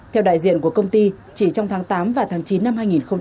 theo đại diện của công ty chỉ trong tháng tám và tháng chín năm hai nghìn hai mươi